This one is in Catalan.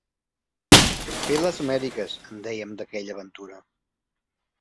Fer les Amèriques, en dèiem d'aquella aventura.